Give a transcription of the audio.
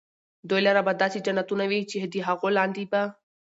دوى لره به داسي جنتونه وي چي د هغو لاندي به